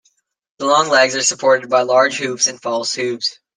The long legs are supported by large hooves and false hooves.